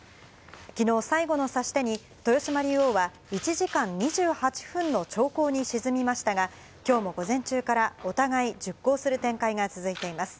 きのう、最後の指し手に、豊島竜王は１時間２８分の長考に沈みましたが、きょうも午前中からお互い、熟考する展開が続いています。